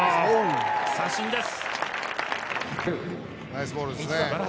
三振です。